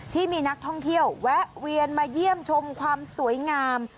ที่มีนักท่องเที่ยวแวะเวียนมาเยี่ยมชมความสวยงาม